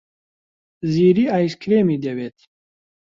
زیری ئایسکرێمی دەوێت.